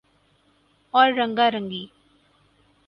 اور رنگا رنگی